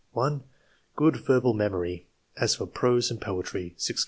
(1) Good verbal memory, as for prose and poetry, 6 cases ; II.